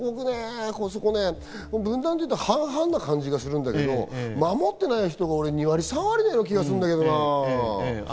分断というと半々な感じがするけど、守ってない人が２割、３割な気がするんだけどな。